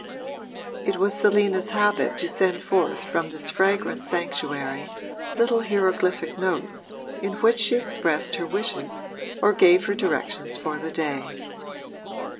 It was Selina's habit to send forth from this fragrant sanctuary little hieroglyphic notes in which she expressed her wishes or gave her directions for the day.